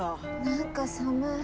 何か寒い。